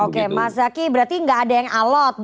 oke mas zaky berarti nggak ada yang alot